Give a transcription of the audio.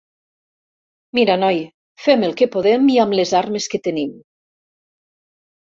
Mira noi, fem el que podem i amb les armes que tenim.